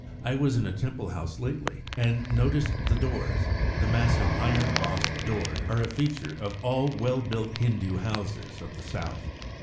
I was in a Temple house lately, and noticed the doors the massive iron bossed doors are a feature of all well built Hindu houses of the South.